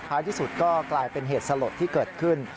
ที่สุดก็กลายเป็นเหตุสลดที่เกิดขึ้น